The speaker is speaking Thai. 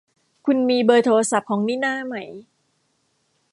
คุณมีเบอร์โทรศัพท์ของนิน่าไหม